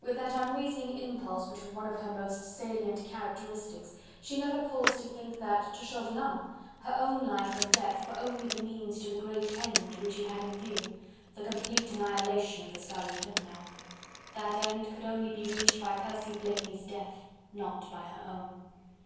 With that unreasoning impulse which was one of her most salient characteristics, she never paused to think that, to Chauvelin, her own life or death were only the means to the great end which he had in view: the complete annihilation of the Scarlet Pimpernel. That end could only be reached by Percy Blakeney's death not by her own.